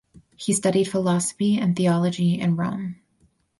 He studied philosophy and theology in Rome.